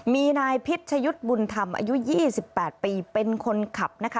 มีนายพิชยุทธ์บุญธรรมอายุ๒๘ปีเป็นคนขับนะคะ